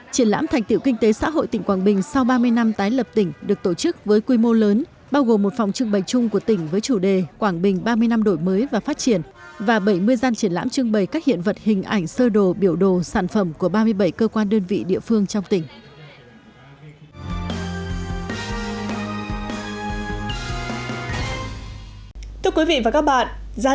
triển lãm thành tựu kinh tế xã hội tỉnh quảng bình sau ba mươi năm tái lập tỉnh được tổ chức với quy mô lớn bao gồm một phòng trưng bày chung của tỉnh với chủ đề quảng bình ba mươi năm đổi mới và phát triển và bảy mươi gian triển lãm trưng bày các hiện vật hình ảnh sơ đồ biểu đồ sản phẩm của ba mươi bảy cơ quan đơn vị địa phương trong tỉnh